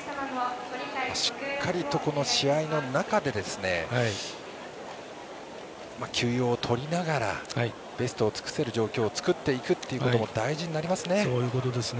しっかりと、この試合の中で休養をとりながらベストを尽くせる状況を作っていくことが大事になりますね。